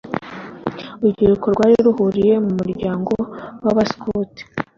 urubyiruko rwari ruhuriye mu muryango w’abasikuti (scout)